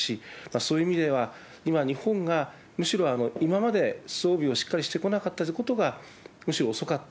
そういう意味では、今、日本がむしろ今まで装備をしっかりしてこなかったということが、むしろ遅かった。